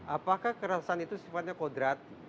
apakah kekerasan itu sifatnya kodrat